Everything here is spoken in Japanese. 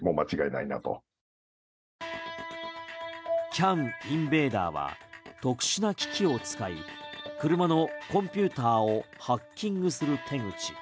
ＣＡＮインベーダーは特殊な機器を使い車のコンピューターをハッキングする手口。